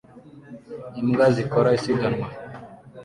Imbwa zikora isiganwa